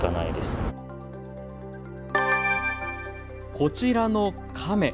こちらのカメ。